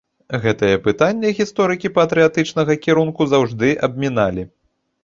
Гэтае пытанне гісторыкі патрыятычнага кірунку заўжды абміналі.